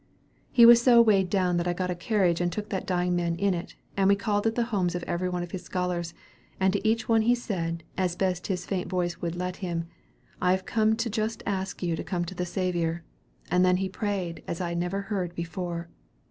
"He was so weighed down that I got a carriage and took that dying man in it, and we called at the homes of every one of his scholars, and to each one he said, as best his faint voice would let him, 'I have come to just ask you to come to the Saviour,' and then he prayed as I never heard before.